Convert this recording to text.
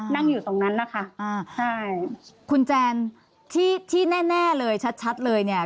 นั่งอยู่ตรงนั้นนะคะคุณแจนที่แน่เลยชัดเลยเนี่ย